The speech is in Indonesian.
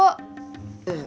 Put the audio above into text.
tuh bisa kan